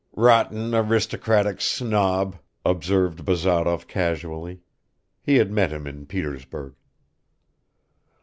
"Rotten aristocratic snob," observed Bazarov casually; he had met him in Petersburg.